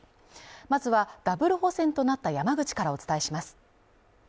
まずは、ダブル補選となった山口からお伝えします。